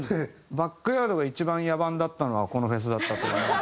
バックヤードが一番野蛮だったのはこのフェスだったと。